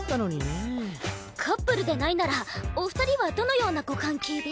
カップルでないならお二人はどのようなご関係で？